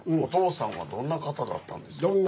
お父さんはどんな方だったんですか？